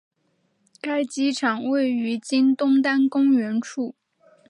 该机场位于今东单公园处。